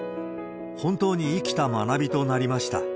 本当に生きた学びとなりました。